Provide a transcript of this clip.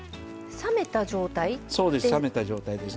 冷めた状態です。